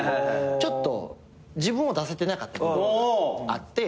ちょっと自分を出せてなかった部分があって。